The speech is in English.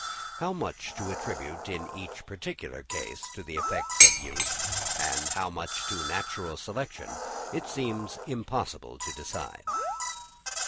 How much to attribute in each particular case to the effects of use, and how much to natural selection, it seems impossible to decide.